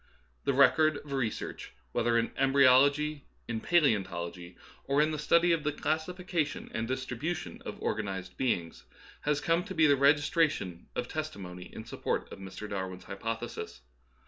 The record of re search, whether in embryology, in paleeontology, or in the study of the classification and distri bution of organized beings, has come to be the registration of testimony in support of Mr. Dar win's hypothesis.